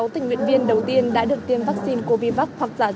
sáu tình nguyện viên đầu tiên đã được tiêm vaccine covivac